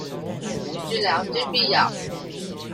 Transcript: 無治療之必要